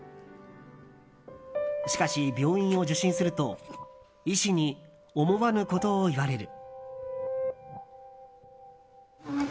しかし、病院を受診すると医師に思わぬことを言われる。